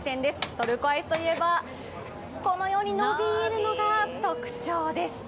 トルコアイスといえばこのように伸びるのが特徴です。